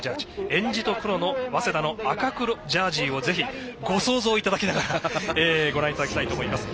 えんじと黒の早稲田の赤黒ジャージをぜひ、ご想像いただきながらご覧いただきたいと思います。